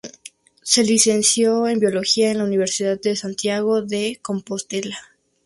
Se licenció en biología en la Universidad de Santiago de Compostela.